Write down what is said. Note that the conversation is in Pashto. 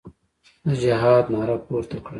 د جهاد ناره پورته کړه.